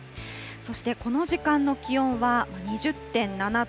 そしてこの時間の気温は２０．７度。